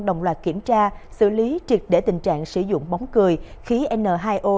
đồng loạt kiểm tra xử lý triệt để tình trạng sử dụng bóng cười khí n hai o